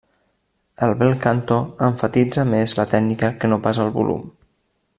El bel canto emfatitza més la tècnica que no pas el volum.